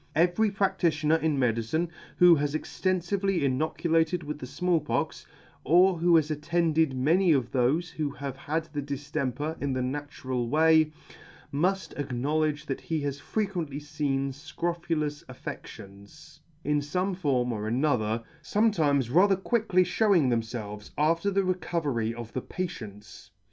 Every practitioner in medicine, who has extenfively inocu lated with the Small Pox, or has attended many of thofe who have had the diftemper in the natural way, muft acknowledge that he has frequently feen fcrophulous affeCtions, in fome form or another, fometimes rather quickly fhewing themfelves after the recovery of the patients.